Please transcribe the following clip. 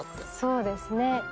そうですね。